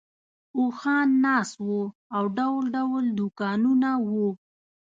اوښان ناست وو او ډول ډول دوکانونه وو.